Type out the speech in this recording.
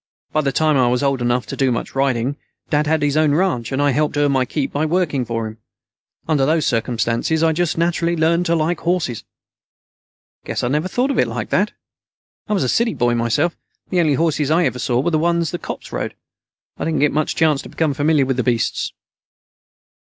By the time I was old enough to do much riding, Dad had his own ranch, and I helped earn my keep by working for him. Under those circumstances, I just naturally learned to like horses." "Guess I never thought of it like that. I was a city boy myself. The only horses I ever saw were the ones the cops rode. I didn't get much chance to became familiar with the beasts."